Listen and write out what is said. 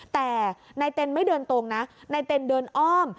แต่นายเต็นไม่เดินตรงนะนายเต็นเดินอ้อม